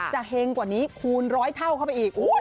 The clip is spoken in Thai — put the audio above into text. เฮงกว่านี้คูณร้อยเท่าเข้าไปอีก